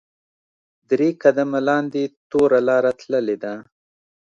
درې قدمه لاندې توره لاره تللې ده.